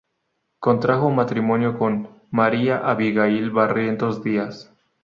Contrajo matrimonio con María Abigail Barrientos Díaz.